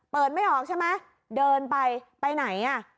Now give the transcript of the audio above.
เปิดไม่ออกใช่ไหมเดินไปไปไหน